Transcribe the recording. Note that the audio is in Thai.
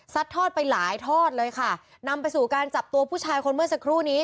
ทอดไปหลายทอดเลยค่ะนำไปสู่การจับตัวผู้ชายคนเมื่อสักครู่นี้